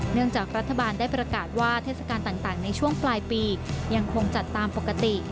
จากรัฐบาลได้ประกาศว่าเทศกาลต่างในช่วงปลายปียังคงจัดตามปกติ